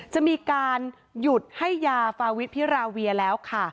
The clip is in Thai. จะมีการหยุดให้ยาฟาวิพิราเวียแล้วค่ะ